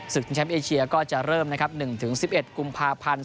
แชมป์เอเชียก็จะเริ่มนะครับ๑๑๑กุมภาพันธ์